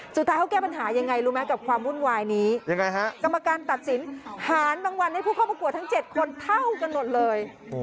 สุดท้ายเขาแก้ปัญหายังไงรู้ไหมกับความวุ่นวายนี้ยังไงฮะกรรมการตัดสินหารรางวัลให้ผู้เข้าประกวดทั้ง๗คนเท่ากันหมดเลย